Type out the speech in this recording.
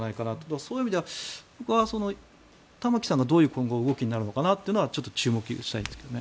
そういう意味では僕は玉木さんが今後どういう動きになるのかなってちょっと注目したいんですけどね。